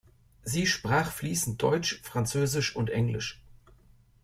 Sie sprach fließend Deutsch, Französisch und Englisch.